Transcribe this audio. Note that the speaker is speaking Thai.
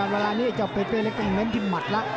วันนี้เจ้าเปเปเรียกเป็นมันที่หมัดละ